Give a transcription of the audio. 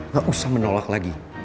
gak usah menolak lagi